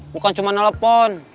bukan cuma nelpon